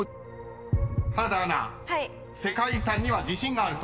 世界遺産には自信があると？］